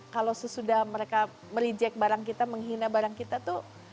kalau sesudah mereka mereject barang kita menghina barang kita tuh